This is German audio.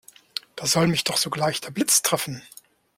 Da soll mich doch sogleich der Blitz treffen!